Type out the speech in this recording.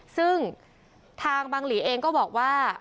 ซึ่งทางบางหลีเองก็บอกว่า